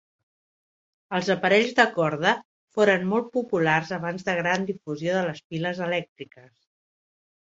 Els aparells de corda foren molt populars abans de gran difusió de les piles elèctriques.